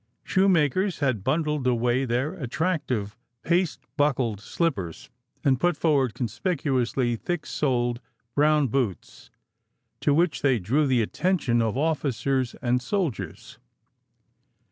Shoemakers had bundled away their attractive paste buckled slippers, and put forward conspicuously thick soled brown boots to which they drew the attention of officers and soldiers.